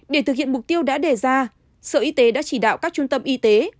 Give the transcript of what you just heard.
để thực hiện mục tiêu đã đề ra sở y tế đã chỉ đạo các trung tâm y tế